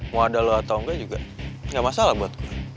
mau ada lo atau enggak juga enggak masalah buat